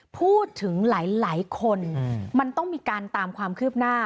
พูดถึงหลายคนมันต้องมีการตามความคืบหน้า